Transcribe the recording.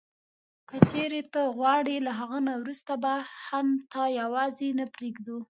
که چیري ته غواړې له هغه نه وروسته به هم تا یوازي نه پرېږدو.